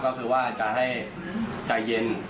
ก็คือว่าจะให้ใจเย็น